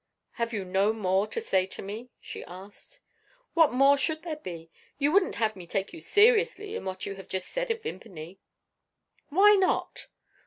"Have you no more to say to me?" she asked. "What more should there be? You wouldn't have me take you seriously, in what you have just said of Vimpany?" "Why not?"